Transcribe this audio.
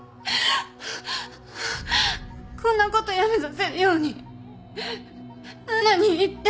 こんなことやめさせるようにななに言って。